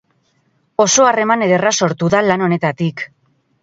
Oso harreman ederra sortu da lan honetatik.